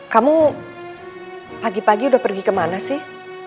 kamu pagi pagi udah pergi kemana sih